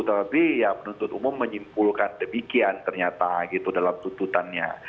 tapi ya penuntut umum menyimpulkan demikian ternyata gitu dalam tuntutannya